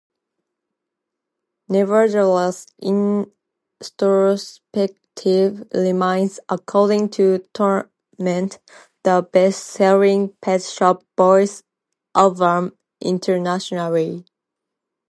Nevertheless, "Introspective" remains, according to Tennant, the best-selling Pet Shop Boys album internationally.